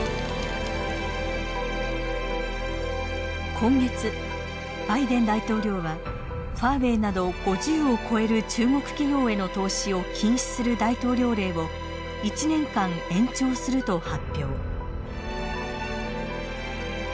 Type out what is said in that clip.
今月バイデン大統領はファーウェイなど５０を超える中国企業への投資を禁止する大統領令を１年間延長すると発表。